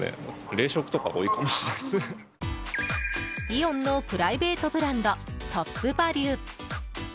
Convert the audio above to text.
イオンのプライベートブランドトップバリュ。